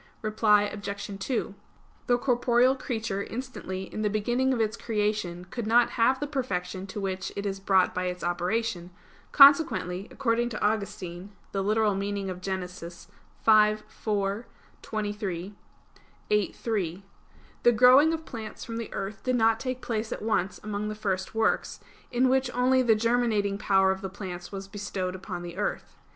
Reply Obj. 2: The corporeal creature instantly in the beginning of its creation could not have the perfection to which it is brought by its operation; consequently, according to Augustine (Gen. ad. lit. v, 4, 23; viii, 3), the growing of plants from the earth did not take place at once among the first works, in which only the germinating power of the plants was bestowed upon the earth.